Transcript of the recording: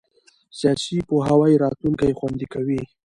سیاسي پوهاوی راتلونکی خوندي کوي